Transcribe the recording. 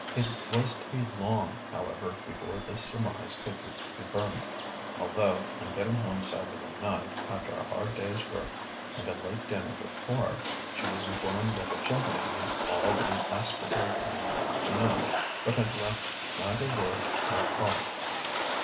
It was to be long, however, before this surmise could be confirmed; although, on getting home Saturday night, after a hard day's work and a late dinner with Quard, she was informed that a gentleman had called and asked for her during the afternoon, but had left neither word nor card.